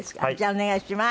お願いします。